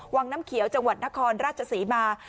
วังน้ำเขียวจังหวัดนครราชศรีมา